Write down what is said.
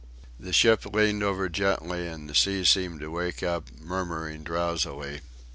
The ship leaned over gently and the sea seemed to wake up, murmuring drowsily.